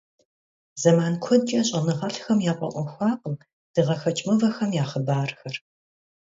Zeman kuedç'e ş'enığelh'xem yaf'e'uexuakhım dığexeç' mıvexem ya xhıbarxer.